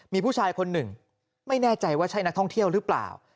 มีผู้ชายคนหนึ่งไม่แน่ใจว่าใช่นักท่องเที่ยวหรือเปล่า